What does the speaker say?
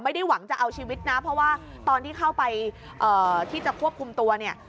ไม่ได้หวังจะเอาชีวิตนะเพราะว่าตอนที่เข้าไปที่จะควบคุมตัวเนี่ย